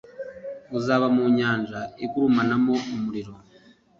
uzaba mu nyanja igurumanamo umuriro